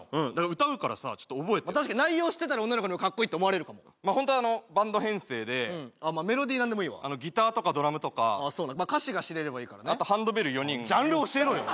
歌うからさちょっと覚えて確かに内容知ってたら女の子にも「かっこいい」って思われるかもホントはバンド編成でうんメロディー何でもいいわギターとかドラムとか歌詞が知れればいいからねあとハンドベル４人いるんだけどジャンル教えろよ